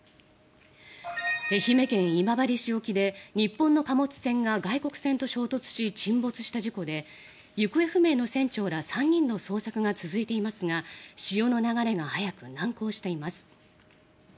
愛媛県今治市沖で日本の貨物船が外国船と衝突し沈没した事故で行方不明の船長ら３人の捜索が続いていますが潮の流れが速く難航しています。